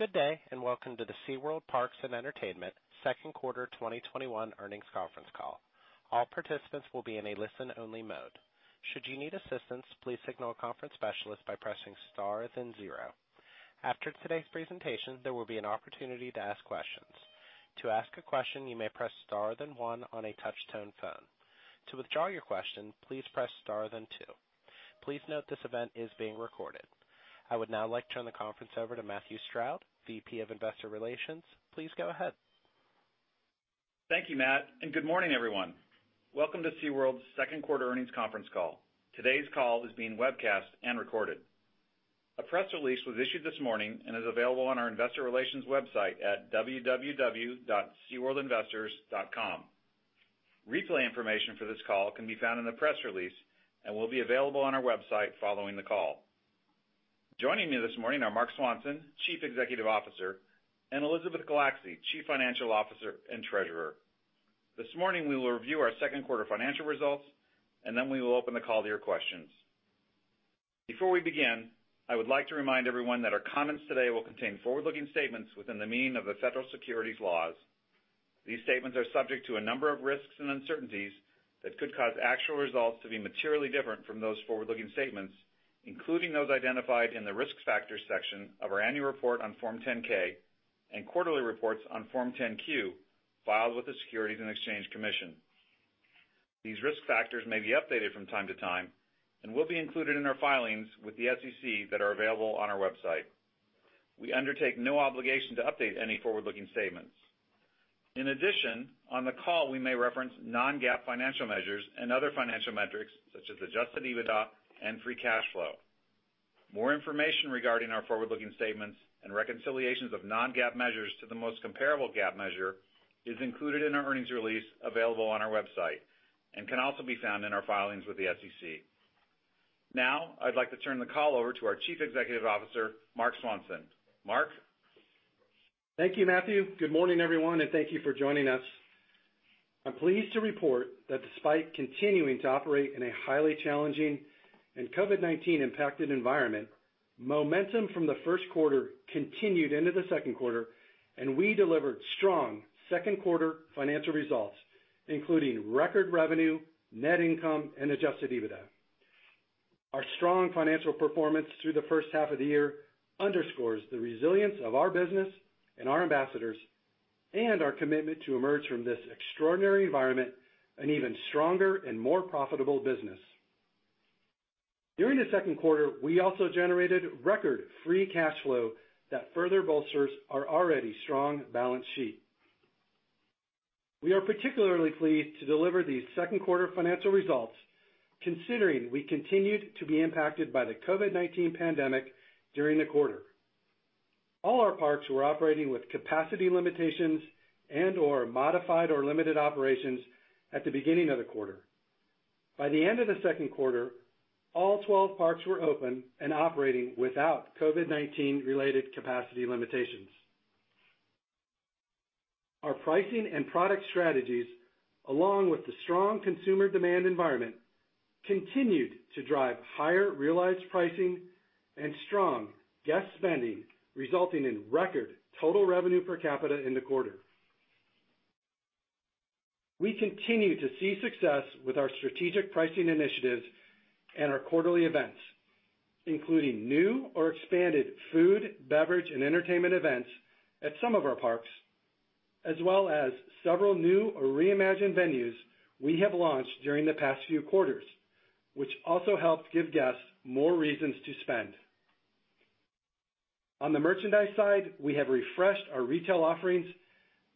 Good day, welcome to the SeaWorld Parks & Entertainment second quarter 2021 Earnings Conference call. All participants will be in a listen-only mode. After today's presentation, there will be an opportunity to ask questions. Please note this event is being recorded. I would now like to turn the conference over to Matthew Stroud, VP of Investor Relations. Please go ahead. Thank you, Matt. Good morning, everyone. Welcome to SeaWorld's second quarter earnings conference call. Today's call is being webcast and recorded. A press release was issued this morning and is available on our investor relations website at www.seaworldinvestors.com. Replay information for this call can be found in the press release and will be available on our website following the call. Joining me this morning are Marc Swanson, Chief Executive Officer, and Elizabeth Castro Gulacsy, Chief Financial Officer and Treasurer. This morning, we will review our second quarter financial results, and then we will open the call to your questions. Before we begin, I would like to remind everyone that our comments today will contain forward-looking statements within the meaning of the federal securities laws. These statements are subject to a number of risks and uncertainties that could cause actual results to be materially different from those forward-looking statements, including those identified in the risk factors section of our annual report on Form 10-K and quarterly reports on Form 10-Q filed with the Securities and Exchange Commission. These risk factors may be updated from time to time and will be included in our filings with the SEC that are available on our website. We undertake no obligation to update any forward-looking statements. In addition, on the call, we may reference non-GAAP financial measures and other financial metrics such as adjusted EBITDA and free cash flow. More information regarding our forward-looking statements and reconciliations of non-GAAP measures to the most comparable GAAP measure is included in our earnings release available on our website and can also be found in our filings with the SEC. I'd like to turn the call over to our Chief Executive Officer, Marc Swanson. Mark? Thank you, Matthew. Good morning, everyone, and thank you for joining us. I'm pleased to report that despite continuing to operate in a highly challenging and COVID-19 impacted environment, momentum from the first quarter continued into the second quarter. We delivered strong second quarter financial results, including record revenue, net income and adjusted EBITDA. Our strong financial performance through the first half of the year underscores the resilience of our business and our ambassadors and our commitment to emerge from this extraordinary environment an even stronger and more profitable business. During the second quarter, we also generated record free cash flow that further bolsters our already strong balance sheet. We are particularly pleased to deliver these second quarter financial results, considering we continued to be impacted by the COVID-19 pandemic during the quarter. All our parks were operating with capacity limitations and/or modified or limited operations at the beginning of the quarter. By the end of the second quarter, all 12 parks were open and operating without COVID-19 related capacity limitations. Our pricing and product strategies, along with the strong consumer demand environment, continued to drive higher realized pricing and strong guest spending, resulting in record total revenue per capita in the quarter. We continue to see success with our strategic pricing initiatives and our quarterly events, including new or expanded food, beverage, and entertainment events at some of our parks, as well as several new or reimagined venues we have launched during the past few quarters, which also helped give guests more reasons to spend. On the merchandise side, we have refreshed our retail offerings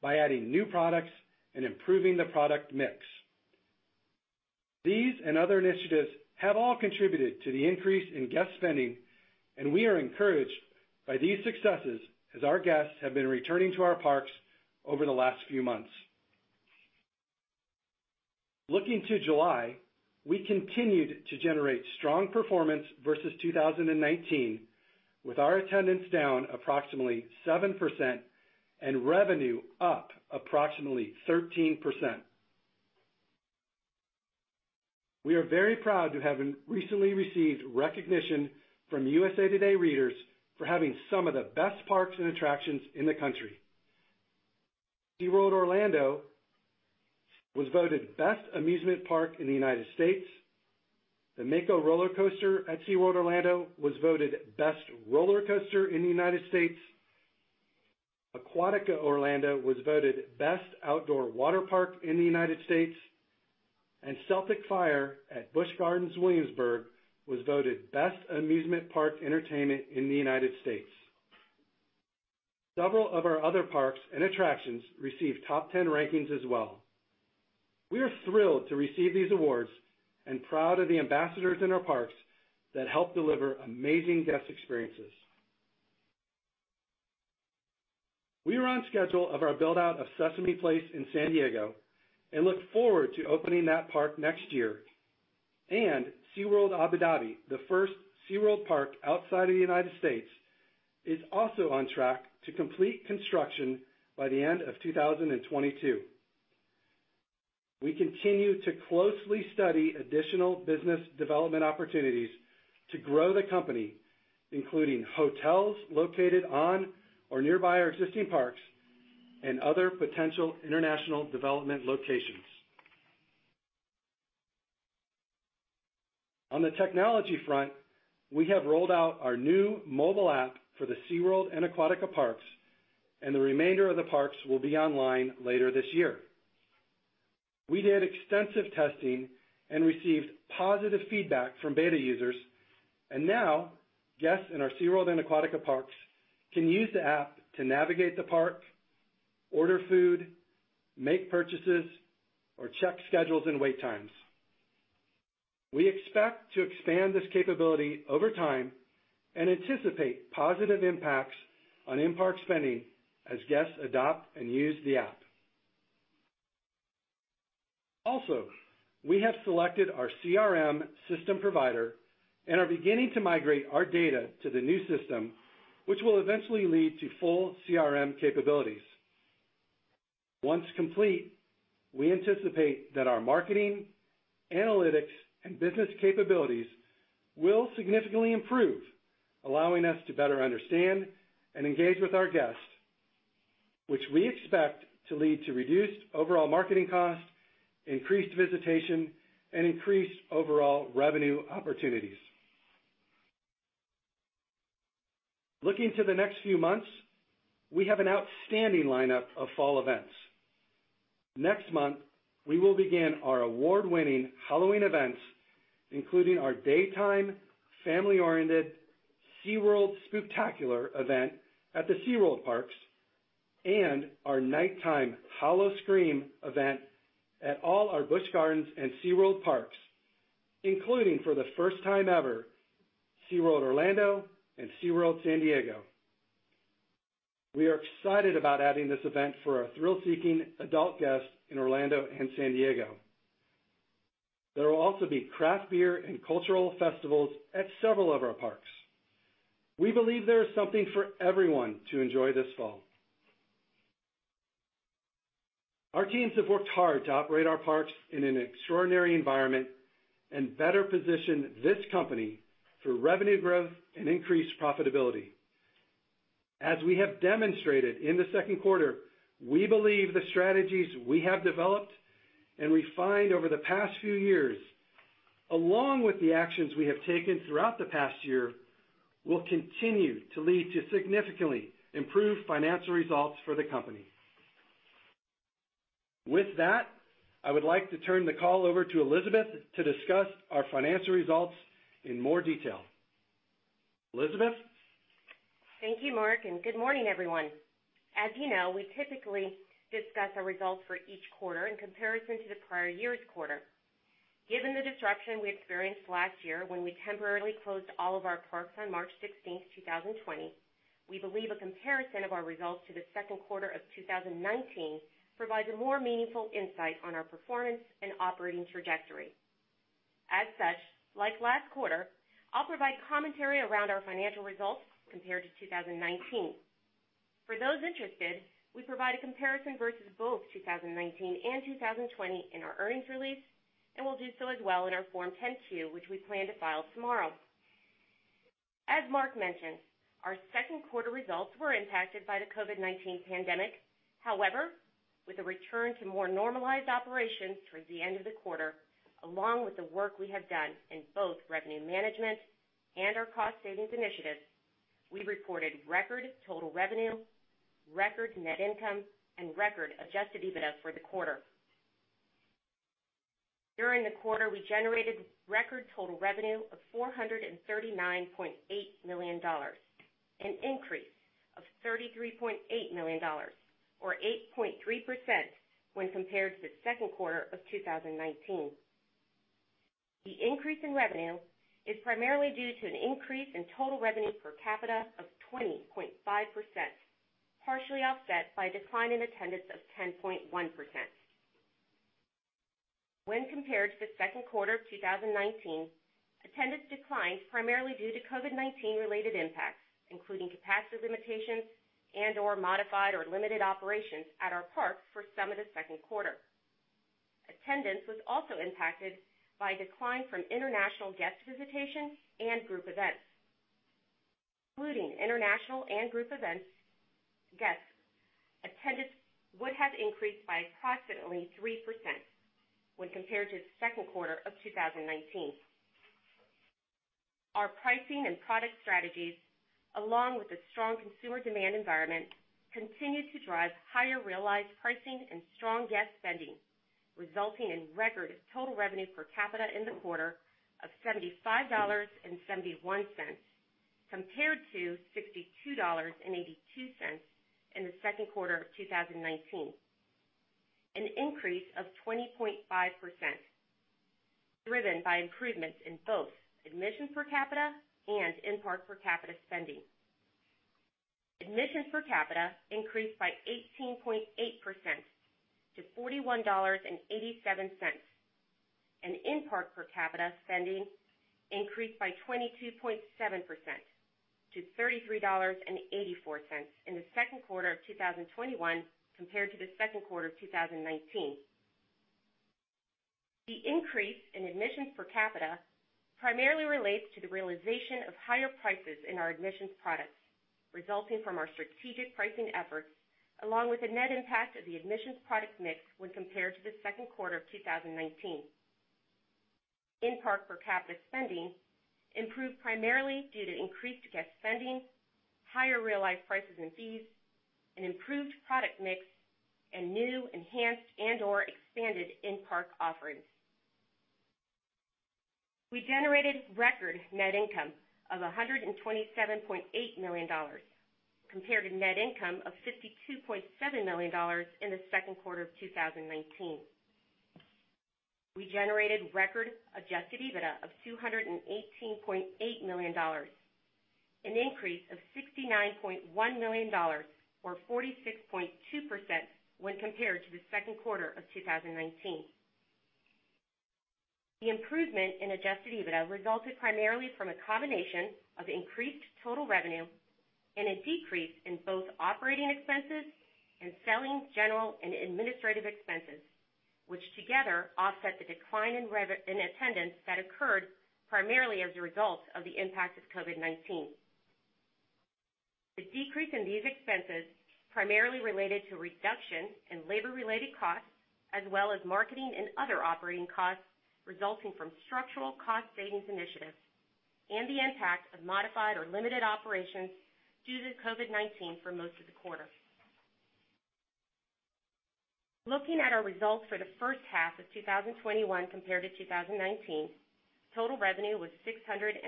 by adding new products and improving the product mix. These and other initiatives have all contributed to the increase in guest spending, and we are encouraged by these successes as our guests have been returning to our parks over the last few months. Looking to July, we continued to generate strong performance versus 2019, with our attendance down approximately 7% and revenue up approximately 13%. We are very proud to have recently received recognition from USA Today readers for having some of the best parks and attractions in the country. SeaWorld Orlando was voted Best Amusement Park in the United States. The Mako roller coaster at SeaWorld Orlando was voted Best Roller Coaster in the United States. Aquatica Orlando was voted Best Outdoor Water Park in the United States, and Celtic Fyre at Busch Gardens Williamsburg was voted Best Amusement Park Entertainment in the United States. Several of our other parks and attractions received top 10 rankings as well. We are thrilled to receive these awards and proud of the ambassadors in our parks that help deliver amazing guest experiences. We are on schedule of our build-out of Sesame Place in San Diego and look forward to opening that park next year. SeaWorld Abu Dhabi, the first SeaWorld park outside of the United States, is also on track to complete construction by the end of 2022. We continue to closely study additional business development opportunities to grow the company, including hotels located on or nearby our existing parks and other potential international development locations. On the technology front, we have rolled out our new mobile app for the SeaWorld and Aquatica parks, and the remainder of the parks will be online later this year. We did extensive testing and received positive feedback from beta users. Now guests in our SeaWorld and Aquatica parks can use the app to navigate the park, order food, make purchases, or check schedules and wait times. We expect to expand this capability over time and anticipate positive impacts on in-park spending as guests adopt and use the app. We have selected our CRM system provider and are beginning to migrate our data to the new system, which will eventually lead to full CRM capabilities. Once complete, we anticipate that our marketing, analytics, and business capabilities will significantly improve, allowing us to better understand and engage with our guests, which we expect to lead to reduced overall marketing costs, increased visitation, and increased overall revenue opportunities. Looking to the next few months, we have an outstanding lineup of fall events. Next month, we will begin our award-winning Halloween events, including our daytime family-oriented SeaWorld Spooktacular event at the SeaWorld parks and our nighttime Howl-O-Scream event at all our Busch Gardens and SeaWorld parks, including for the first time ever, SeaWorld Orlando and SeaWorld San Diego. We are excited about adding this event for our thrill-seeking adult guests in Orlando and San Diego. There will also be craft beer and cultural festivals at several of our parks. We believe there is something for everyone to enjoy this fall. Our teams have worked hard to operate our parks in an extraordinary environment and better position this company for revenue growth and increased profitability. As we have demonstrated in the second quarter, we believe the strategies we have developed and refined over the past few years, along with the actions we have taken throughout the past year, will continue to lead to significantly improved financial results for the company. With that, I would like to turn the call over to Elizabeth to discuss our financial results in more detail. Elizabeth? Thank you, Mark, and good morning, everyone. As you know, we typically discuss our results for each quarter in comparison to the prior year's quarter. Given the disruption we experienced last year when we temporarily closed all of our parks on March 16th, 2020, we believe a comparison of our results to the second quarter of 2019 provides a more meaningful insight on our performance and operating trajectory. As such, like last quarter, I'll provide commentary around our financial results compared to 2019. For those interested, we provide a comparison versus both 2019 and 2020 in our earnings release, and we'll do so as well in our Form 10-Q, which we plan to file tomorrow. As Mark mentioned, our second quarter results were impacted by the COVID-19 pandemic. However, with a return to more normalized operations towards the end of the quarter, along with the work we have done in both revenue management and our cost-savings initiatives, we reported record total revenue, record net income, and record adjusted EBITDA for the quarter. During the quarter, we generated record total revenue of $439.8 million, an increase of $33.8 million or 8.3% when compared to the second quarter of 2019. The increase in revenue is primarily due to an increase in total revenue per capita of 20.5%, partially offset by a decline in attendance of 10.1%. When compared to the second quarter of 2019, attendance declined primarily due to COVID-19-related impacts, including capacity limitations and/or modified or limited operations at our parks for some of the second quarter. Attendance was also impacted by a decline from international guest visitation and group events. Excluding international and group events, guest attendance would have increased by approximately 3% when compared to the second quarter of 2019. Our pricing and product strategies, along with the strong consumer demand environment, continued to drive higher realized pricing and strong guest spending, resulting in record total revenue per capita in the quarter of $75.71, compared to $62.82 in the second quarter of 2019, an increase of 20.5%, driven by improvements in both admission per capita and in-park per capita spending. Admission per capita increased by 18.8% to $41.87. In-park per capita spending increased by 22.7% to $33.84 in the second quarter of 2021 compared to the second quarter of 2019. The increase in admissions per capita primarily relates to the realization of higher prices in our admissions products, resulting from our strategic pricing efforts, along with the net impact of the admissions product mix when compared to the second quarter of 2019. In-park per capita spending improved primarily due to increased guest spending, higher realized prices and fees, an improved product mix, and new, enhanced, and/or expanded in-park offerings. We generated record net income of $127.8 million compared to net income of $52.7 million in the second quarter of 2019. We generated record adjusted EBITDA of $218.8 million, an increase of $69.1 million or 46.2% when compared to the second quarter of 2019. The improvement in adjusted EBITDA resulted primarily from a combination of increased total revenue and a decrease in both operating expenses and selling, general and administrative expenses, which together offset the decline in attendance that occurred primarily as a result of the impact of COVID-19. The decrease in these expenses primarily related to reduction in labor related costs, as well as marketing and other operating costs resulting from structural cost savings initiatives and the impact of modified or limited operations due to COVID-19 for most of the quarter. Looking at our results for the first half of 2021 compared to 2019, total revenue was $611.7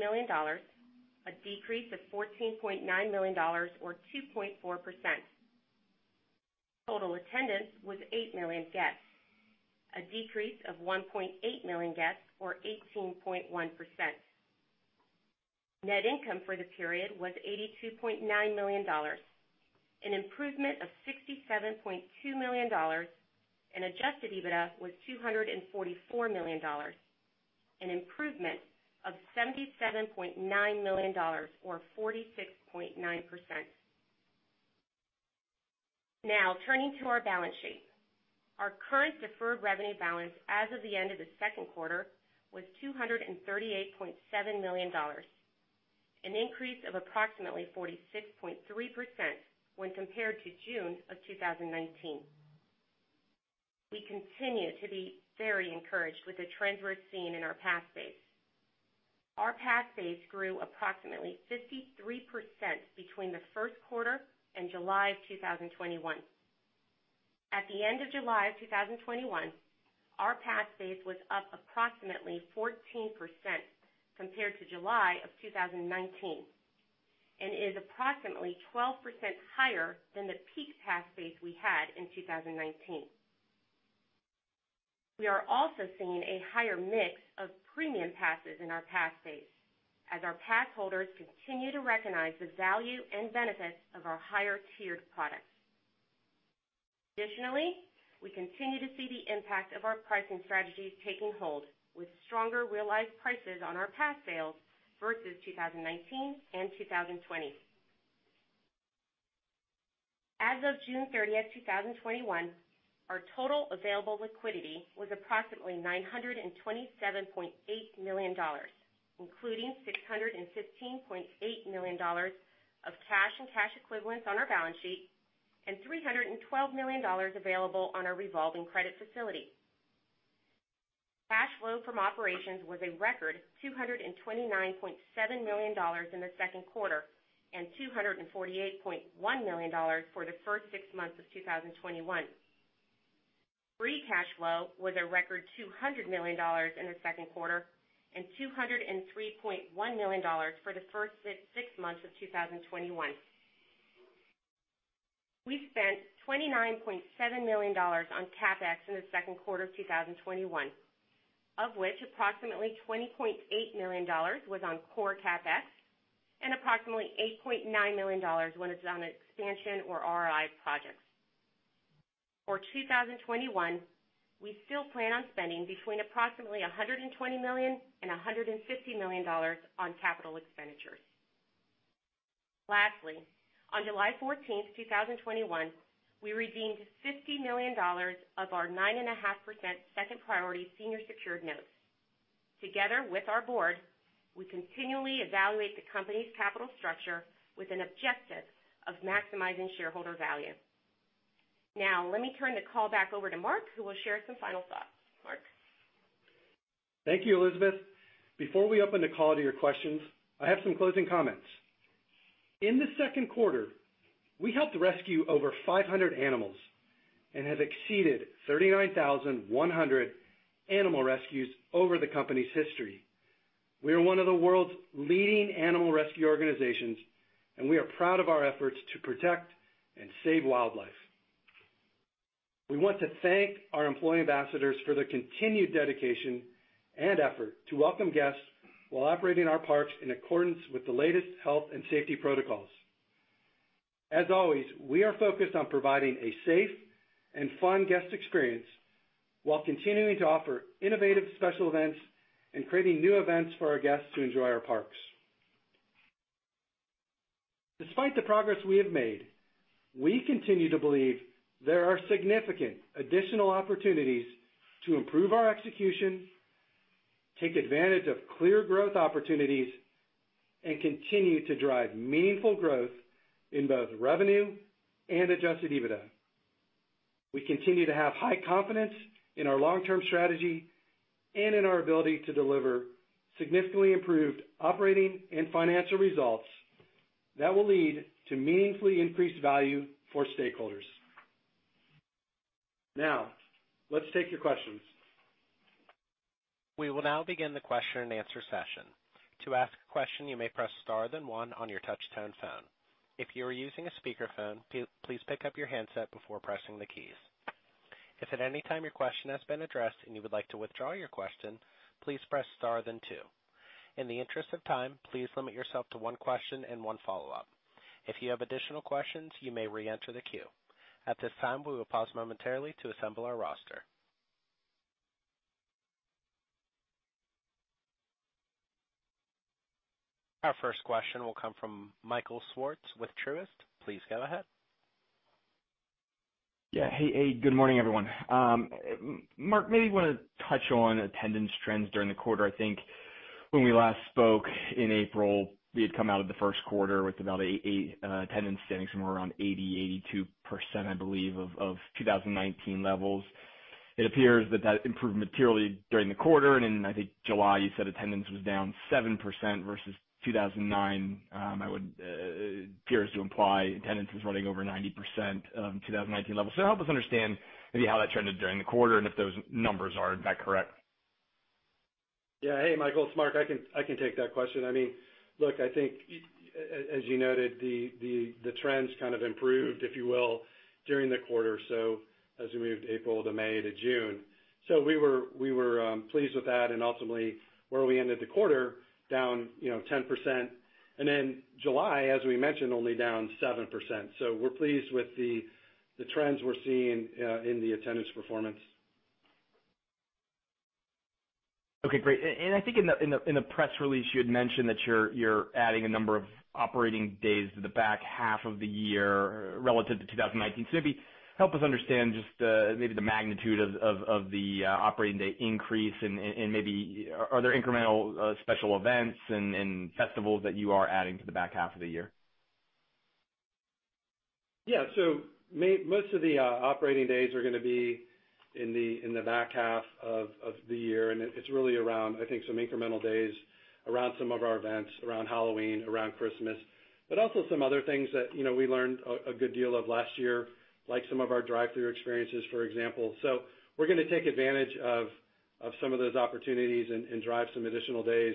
million, a decrease of $14.9 million or 2.4%. Total attendance was 8 million guests, a decrease of 1.8 million guests or 18.1%. Net income for the period was $82.9 million, an improvement of $67.2 million, and adjusted EBITDA was $244 million, an improvement of $77.9 million or 46.9%. Now turning to our balance sheet. Our current deferred revenue balance as of the end of the second quarter was $238.7 million, an increase of approximately 46.3% when compared to June of 2019. We continue to be very encouraged with the trends we're seeing in our pass base. Our pass base grew approximately 53% between the first quarter and July of 2021. At the end of July of 2021, our pass base was up approximately 14% compared to July of 2019, and is approximately 12% higher than the peak pass base we had in 2019. We are also seeing a higher mix of premium passes in our pass base as our pass holders continue to recognize the value and benefits of our higher tiered products. Additionally, we continue to see the impact of our pricing strategies taking hold with stronger realized prices on our pass sales versus 2019 and 2020. As of June 30th, 2021, our total available liquidity was approximately $927.8 million, including $615.8 million of cash and cash equivalents on our balance sheet, and $312 million available on our revolving credit facility. Cash flow from operations was a record $229.7 million in the second quarter and $248.1 million for the first six months of 2021. Free cash flow was a record $200 million in the second quarter and $203.1 million for the first six months of 2021. We spent $29.7 million on CapEx in the second quarter of 2021, of which approximately $20.8 million was on core CapEx and approximately $8.9 million went on expansion or ROI projects. For 2021, we still plan on spending between approximately $120 million and $150 million on capital expenditures. Lastly, on July 14th, 2021, we redeemed $50 million of our 9.5% second priority senior secured notes. Together with our board, we continually evaluate the company's capital structure with an objective of maximizing shareholder value. Now let me turn the call back over to Marc, who will share some final thoughts. Marc? Thank you, Elizabeth. Before we open the call to your questions, I have some closing comments. In the second quarter, we helped rescue over 500 animals and have exceeded 39,100 animal rescues over the company's history. We are one of the world's leading animal rescue organizations, and we are proud of our efforts to protect and save wildlife. We want to thank our employee ambassadors for their continued dedication and effort to welcome guests while operating our parks in accordance with the latest health and safety protocols. As always, we are focused on providing a safe and fun guest experience while continuing to offer innovative special events and creating new events for our guests to enjoy our parks. Despite the progress we have made, we continue to believe there are significant additional opportunities to improve our execution, take advantage of clear growth opportunities, and continue to drive meaningful growth in both revenue and adjusted EBITDA. We continue to have high confidence in our long-term strategy and in our ability to deliver significantly improved operating and financial results that will lead to meaningfully increased value for stakeholders. Now, let's take your questions. Our first question will come from Michael Swartz with Truist. Please go ahead. Yeah. Hey. Good morning, everyone. Marc, maybe you want to touch on attendance trends during the quarter. I think when we last spoke in April, we had come out of the first quarter with attendance standing somewhere around 80%, 82%, I believe, of 2019 levels. It appears that that improved materially during the quarter. In, I think July, you said attendance was down 7% versus 2019. It appears to imply attendance is running over 90% of 2019 levels. Help us understand maybe how that trended during the quarter and if those numbers are that correct. Hey, Michael. It's Marc. I can take that question. Look, I think, as you noted, the trends kind of improved, if you will, during the quarter, so as we moved April to May to June. We were pleased with that and ultimately where we ended the quarter down 10%. July, as we mentioned, only down 7%. We're pleased with the trends we're seeing in the attendance performance. Okay, great. I think in the press release, you had mentioned that you're adding a number of operating days to the back half of the year relative to 2019. Maybe help us understand just maybe the magnitude of the operating day increase and maybe are there incremental special events and festivals that you are adding to the back half of the year? Yeah. Most of the operating days are going to be in the back half of the year, and it's really around, I think, some incremental days around some of our events, around Halloween, around Christmas, but also some other things that we learned a good deal of last year, like some of our drive-thru experiences, for example. We're going to take advantage of some of those opportunities and drive some additional days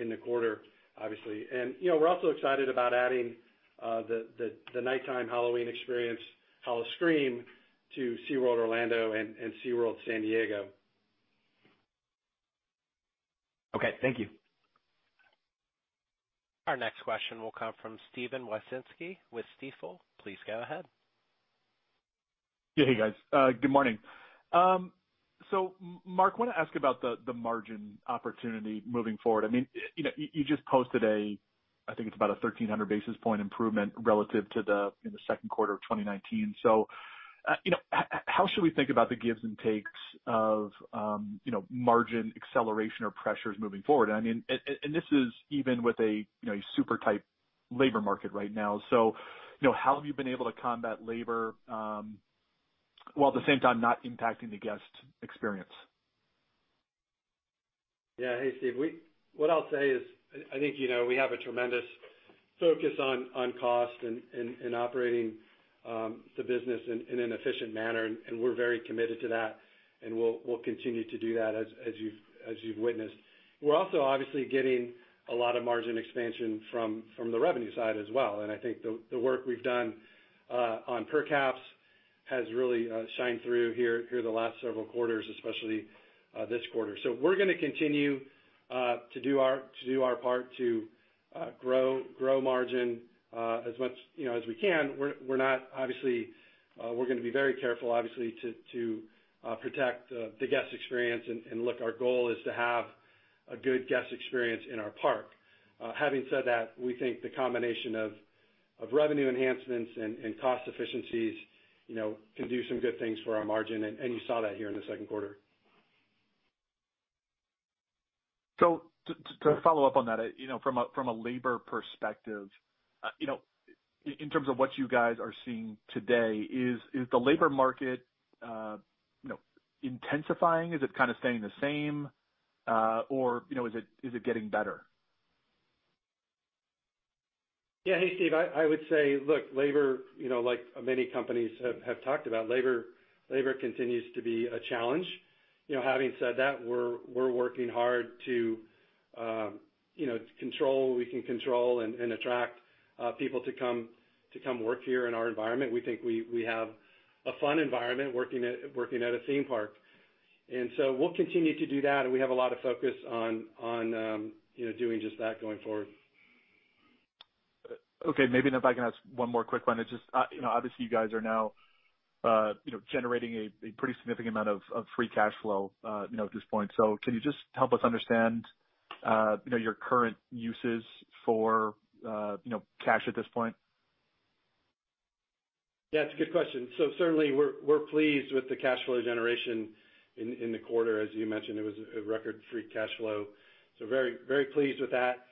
in the quarter, obviously. We're also excited about adding the nighttime Halloween experience, Howl-O-Scream, to SeaWorld Orlando and SeaWorld San Diego. Okay. Thank you. Our next question will come from Steven Wieczynski with Stifel. Please go ahead. Yeah. Hey, guys. Good morning. Mark, I want to ask about the margin opportunity moving forward. You just posted I think it's about a 1,300 basis point improvement relative to the second quarter of 2019. How should we think about the gives and takes of margin acceleration or pressures moving forward? This is even with a super tight labor market right now. How have you been able to combat labor while at the same time not impacting the guest experience? Yeah. Hey, Steve. What I'll say is, I think you know we have a tremendous focus on cost and operating the business in an efficient manner, and we're very committed to that, and we'll continue to do that as you've witnessed. We're also obviously getting a lot of margin expansion from the revenue side as well, and I think the work we've done on per caps has really shined through here the last several quarters, especially this quarter. We're going to continue to do our part to grow margin as much as we can. We're going to be very careful, obviously, to protect the guest experience. Look, our goal is to have a good guest experience in our park. Having said that, we think the combination of revenue enhancements and cost efficiencies can do some good things for our margin, and you saw that here in the second quarter. To follow up on that, from a labor perspective, in terms of what you guys are seeing today, is the labor market intensifying? Is it kind of staying the same? Is it getting better? Yeah. Hey, Steve. I would say, look, like many companies have talked about, labor continues to be a challenge. Having said that, we're working hard to control what we can control and attract people to come work here in our environment. We think we have a fun environment working at a theme park. We'll continue to do that, and we have a lot of focus on doing just that going forward. Okay. Maybe if I can ask one more quick one. Obviously you guys are now generating a pretty significant amount of free cash flow at this point. Can you help us understand your current uses for cash at this point? Yeah, it's a good question. Certainly we're pleased with the cash flow generation in the quarter. As you mentioned, it was a record free cash flow. Very pleased with that.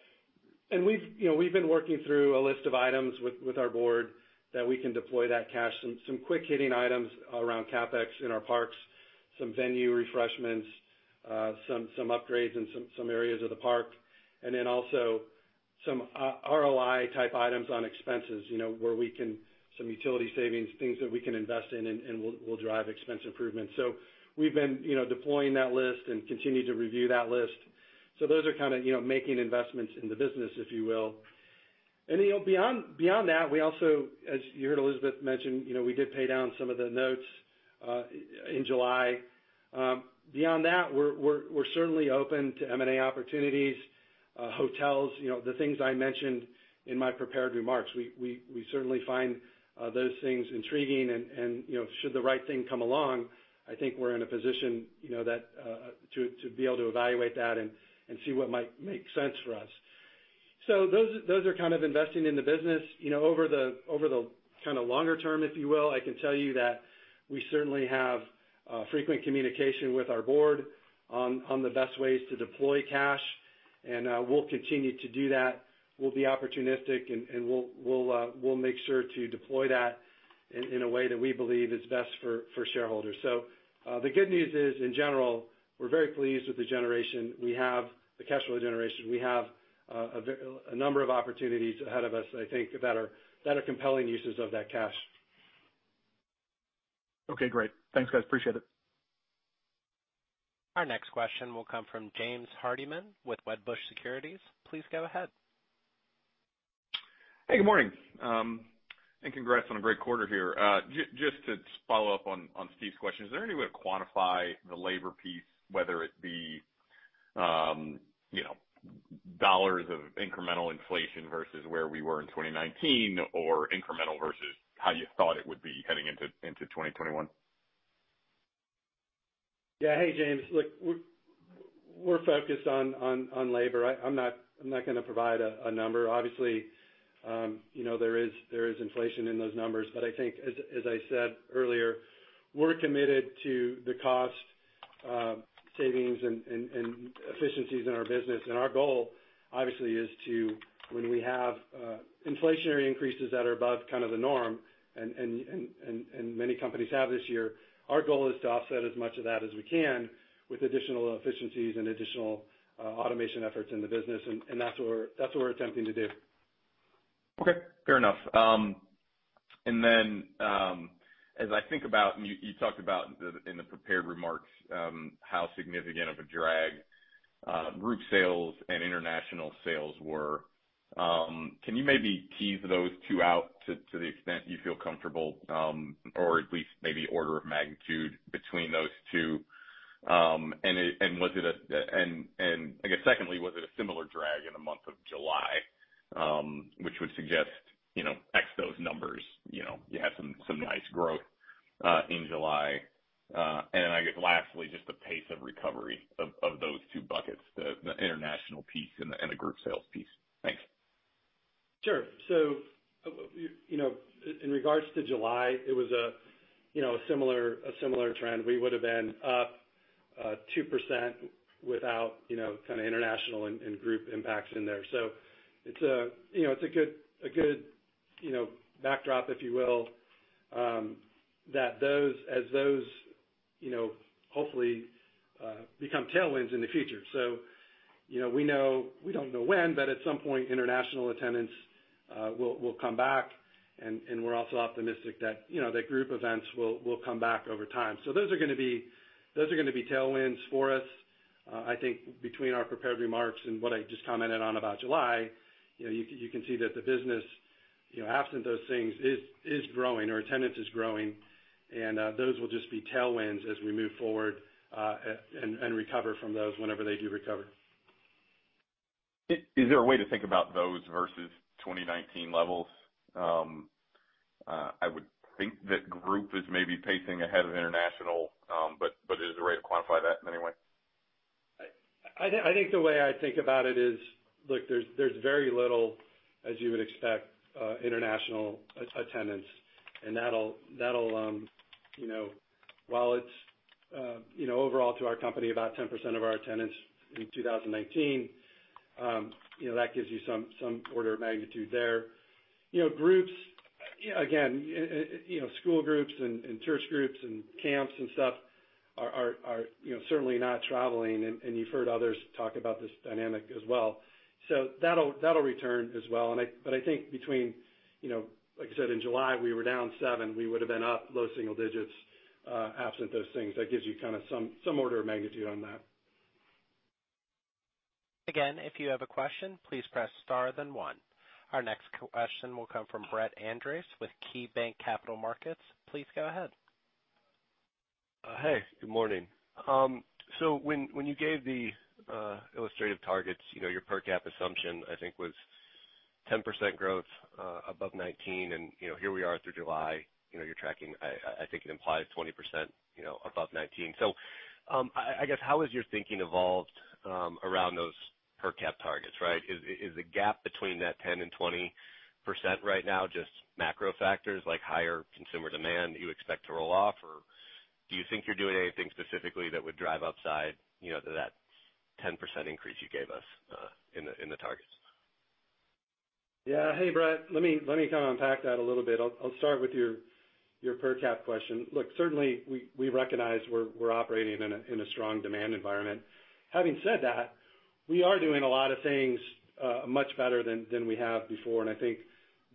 We've been working through a list of items with our board that we can deploy that cash. Some quick-hitting items around CapEx in our parks, some venue refreshments, some upgrades in some areas of the park, and then also some ROI-type items on expenses, some utility savings, things that we can invest in and will drive expense improvements. We've been deploying that list and continue to review that list. Those are kind of making investments in the business, if you will. Beyond that, we also, as you heard Elizabeth mention, we did pay down some of the notes in July. Beyond that, we're certainly open to M&A opportunities, hotels, the things I mentioned in my prepared remarks. We certainly find those things intriguing and should the right thing come along, I think we're in a position to be able to evaluate that and see what might make sense for us. Those are kind of investing in the business. Over the kind of longer term, if you will, I can tell you that we certainly have frequent communication with our board on the best ways to deploy cash, and we'll continue to do that. We'll be opportunistic, and we'll make sure to deploy that in a way that we believe is best for shareholders. The good news is, in general, we're very pleased with the cash flow generation. We have a number of opportunities ahead of us, I think, that are compelling uses of that cash. Okay, great. Thanks, guys. Appreciate it. Our next question will come from James Hardiman with Wedbush Securities. Please go ahead. Good morning. Congrats on a great quarter here. Just to follow up on Steve's question, is there any way to quantify the labor piece, whether it be dollars of incremental inflation versus where we were in 2019 or incremental versus how you thought it would be heading into 2021? Yeah. Hey, James. Look, we're focused on labor. I'm not going to provide a number. Obviously, there is inflation in those numbers. I think as I said earlier, we're committed to the cost savings and efficiencies in our business. Our goal, obviously, is to, when we have inflationary increases that are above kind of the norm, and many companies have this year, our goal is to offset as much of that as we can with additional efficiencies and additional automation efforts in the business, and that's what we're attempting to do. Okay, fair enough. As I think about, and you talked about in the prepared remarks how significant of a drag group sales and international sales were. Can you maybe tease those two out to the extent you feel comfortable or at least maybe order of magnitude between those two? Secondly, was it a similar drag in the month of July, which would suggest, ex those numbers you have some nice growth in July. Lastly, just the pace of recovery of those two buckets, the international piece and the group sales piece. Thanks. Sure. In regards to July, it was a similar trend. We would've been up 2% without international and group impacts in there. It's a good backdrop, if you will, as those hopefully become tailwinds in the future. We don't know when, but at some point, international attendance will come back, and we're also optimistic that group events will come back over time. Those are going to be tailwinds for us. I think between our prepared remarks and what I just commented on about July, you can see that the business, absent those things, is growing, our attendance is growing, and those will just be tailwinds as we move forward and recover from those whenever they do recover. Is there a way to think about those versus 2019 levels? I would think that group is maybe pacing ahead of international, but is there a way to quantify that in any way? I think the way I think about it is, look, there's very little, as you would expect, international attendance. While it's overall to our company about 10% of our attendance in 2019, that gives you some order of magnitude there. Groups, again, school groups and church groups and camps and stuff are certainly not traveling, and you've heard others talk about this dynamic as well. That'll return as well. I think between, like I said, in July, we were down seven, we would've been up low single digits absent those things. That gives you kind of some order of magnitude on that. If you have a question, please press star then 1. Our next question will come from Brandt Montour with KeyBanc Capital Markets. Please go ahead. Good morning. When you gave the illustrative targets, your per cap assumption I think was 10% growth above 2019, and here we are through July, you're tracking, I think an implied 20% above 2019. I guess, how has your thinking evolved around those per cap targets, right? Is the gap between that 10% and 20% right now just macro factors like higher consumer demand that you expect to roll off? Or do you think you're doing anything specifically that would drive upside to that 10% increase you gave us in the targets? Hey, Brandt. Let me kind of unpack that a little bit. I'll start with your per cap question. Certainly, we recognize we're operating in a strong demand environment. Having said that, we are doing a lot of things much better than we have before, and I think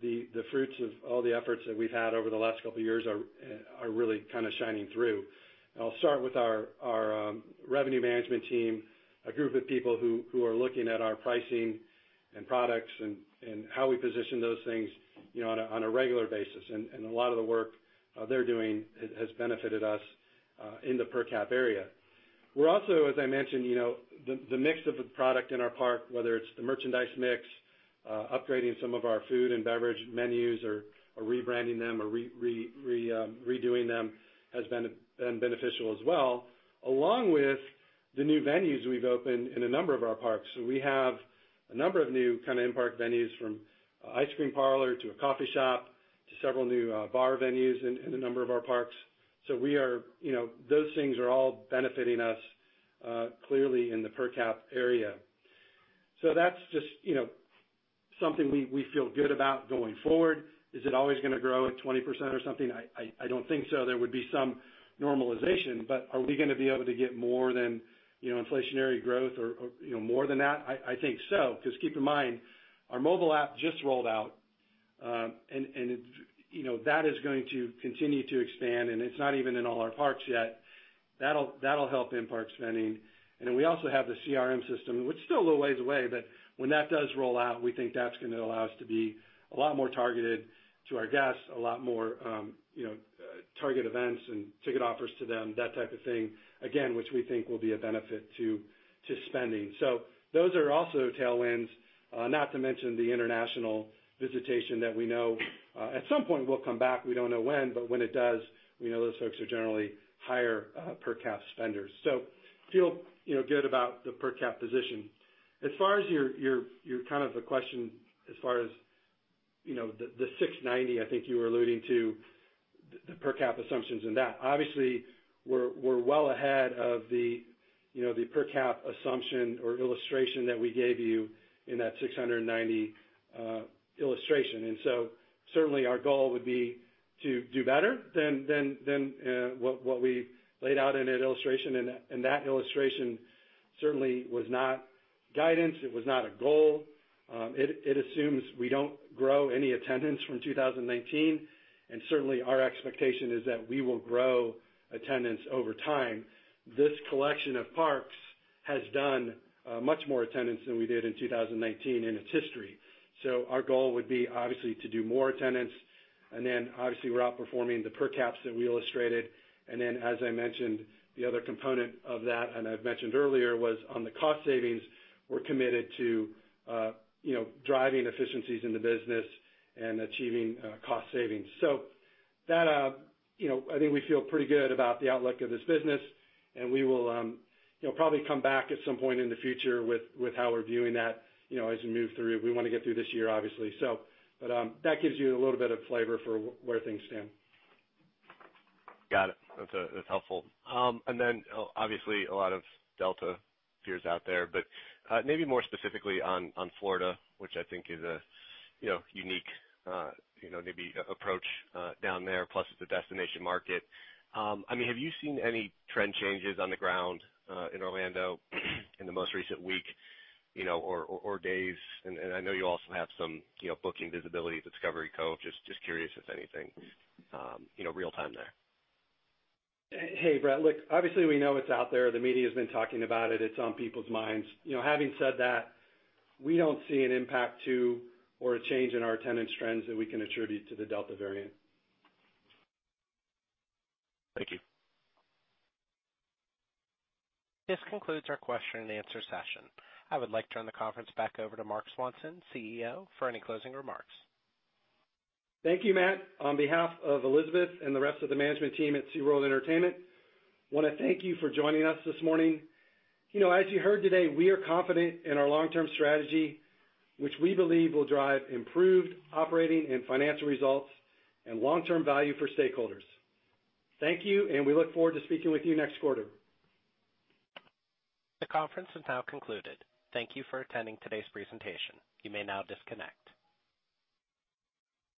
the fruits of all the efforts that we've had over the last couple of years are really kind of shining through. I'll start with our revenue management team, a group of people who are looking at our pricing and products and how we position those things on a regular basis. A lot of the work they're doing has benefited us in the per cap area. We're also, as I mentioned, the mix of the product in our park, whether it's the merchandise mix, upgrading some of our food and beverage menus or rebranding them or redoing them, has been beneficial as well, along with the new venues we've opened in a number of our parks. We have a number of new kind of in-park venues from ice cream parlor to a coffee shop to several new bar venues in a number of our parks. Those things are all benefiting us clearly in the per cap area. That's just something we feel good about going forward. Is it always going to grow at 20% or something? I don't think so. There would be some normalization, but are we going to be able to get more than inflationary growth or more than that? I think so, because keep in mind, our mobile app just rolled out. That is going to continue to expand, and it's not even in all our parks yet. That'll help in-park spending. Then we also have the CRM system, which is still a little way away, but when that does roll out, we think that's going to allow us to be a lot more targeted to our guests, a lot more target events and ticket offers to them, that type of thing, again, which we think will be a benefit to spending. Those are also tailwinds, not to mention the international visitation that we know at some point will come back. We don't know when, but when it does, we know those folks are generally higher per cap spenders. Feel good about the per cap position. As far as your kind of the question as far as the $690 I think you were alluding to, the per cap assumptions in that. Obviously, we're well ahead of the per cap assumption or illustration that we gave you in that $690 illustration. Certainly our goal would be to do better than what we laid out in that illustration, and that illustration certainly was not guidance. It was not a goal. It assumes we don't grow any attendance from 2019, and certainly our expectation is that we will grow attendance over time. This collection of parks has done much more attendance than we did in 2019 in its history. Our goal would be, obviously, to do more attendance. Obviously we're outperforming the per caps that we illustrated. As I mentioned, the other component of that, and I've mentioned earlier, was on the cost savings. We're committed to driving efficiencies in the business and achieving cost savings. I think we feel pretty good about the outlook of this business, and we will probably come back at some point in the future with how we're viewing that as we move through. We want to get through this year, obviously. That gives you a little bit of flavor for where things stand. Got it. That's helpful. Obviously a lot of Delta fears out there, but maybe more specifically on Florida, which I think is a unique maybe approach down there, plus it's a destination market. Have you seen any trend changes on the ground in Orlando in the most recent week or days? I know you also have some booking visibility at Discovery Cove. Just curious if anything real time there. Hey, Brett. Look, obviously we know it's out there. The media's been talking about it. It's on people's minds. Having said that, we don't see an impact to or a change in our attendance trends that we can attribute to the Delta variant. Thank you. This concludes our question and answer session. I would like to turn the conference back over to Marc Swanson, CEO, for any closing remarks. Thank you, Matt. On behalf of Elizabeth and the rest of the management team at SeaWorld Entertainment, I want to thank you for joining us this morning. As you heard today, we are confident in our long-term strategy, which we believe will drive improved operating and financial results and long-term value for stakeholders. Thank you, and we look forward to speaking with you next quarter. The conference is now concluded. Thank you for attending today's presentation. You may now disconnect.